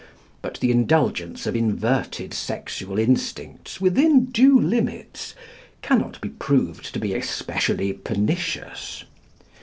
But the indulgence of inverted sexual instincts within due limits, cannot be proved to be especially pernicious.